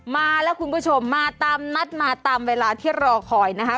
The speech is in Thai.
มาแล้วคุณผู้ชมมาตามนัดมาตามเวลาที่รอคอยนะคะ